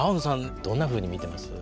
どんなふうに見てます？